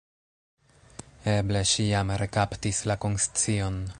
Eble ŝi jam rekaptis la konscion.